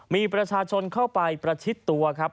มีประชาชนเข้าไปประชิดตัวครับ